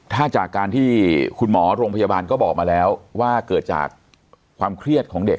ถ้าจากการที่คุณหมอโรงพยาบาลก็บอกมาแล้วว่าเกิดจากความเครียดของเด็ก